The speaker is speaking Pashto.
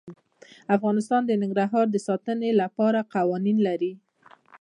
افغانستان د ننګرهار د ساتنې لپاره قوانین لري.